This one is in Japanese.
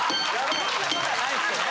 そんなことはないですけどね。